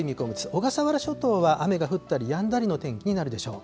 小笠原諸島は雨が降ったりやんだりの天気になるでしょう。